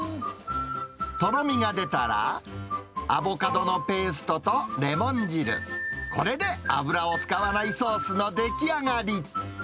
とろみが出たら、アボカドのペーストとレモン汁、これで油を使わないソースの出来上がり。